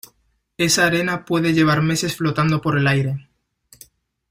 esa arena puede llevar meses flotando por el aire.